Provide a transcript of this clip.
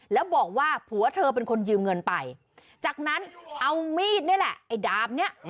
แล้วบอกว่าผัวเธอเป็นคนยืมเงินไปจากนั้นเอามีดนี่แหละไอ้ดาบเนี่ย